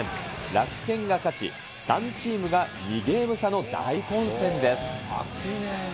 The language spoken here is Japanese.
楽天が勝ち、３チームが２ゲーム差の大混戦です。